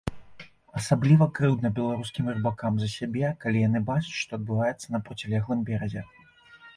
Асабліва крыўдна беларускім рыбакам за сябе, калі яны бачаць, што адбываецца на процілеглым беразе.